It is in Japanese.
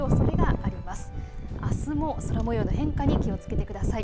あすも空もようの変化に気をつけてください。